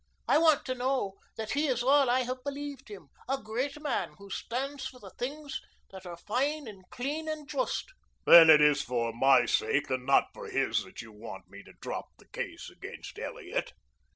I want to know that he is all I have believed him a great man who stands for the things that are fine and clean and just." "Then it is for my sake and not for his that you want me to drop the case against Elliot?"